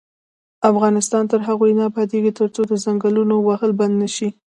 افغانستان تر هغو نه ابادیږي، ترڅو د ځنګلونو وهل بند نشي.